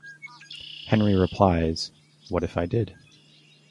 Henry replies, What if I did?